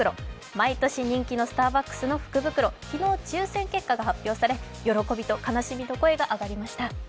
毎年人気のスターバックスの福袋、昨日抽せん結果が発表され喜びと悲しみの声が上がりました。